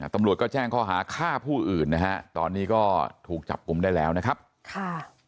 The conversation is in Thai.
ตำรวจก็แจ้งข้อหาฆ่าผู้อื่นนะฮะตอนนี้ก็ถูกจับกลุ่มได้แล้วนะครับค่ะ